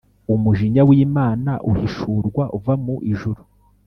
Umujinya w’Imana uhishurwa uva mu ijuru